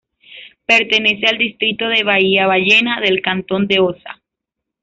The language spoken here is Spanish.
Pertenece al distrito de Bahía Ballena del cantón de Osa.